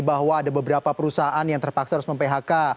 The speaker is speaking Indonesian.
bahwa ada beberapa perusahaan yang terpaksa harus mem phk